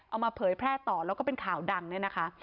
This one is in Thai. เผยแพร่ต่อแล้วก็เป็นข่าวดังเนี่ยนะคะ